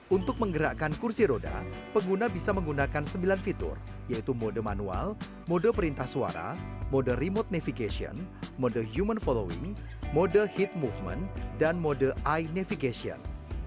untuk menggerakkan kursi roda pengguna bisa menggunakan sembilan fitur yaitu mode manual mode perintah suara mode remote navigation mode human following mode heat movement dan mode eye navigation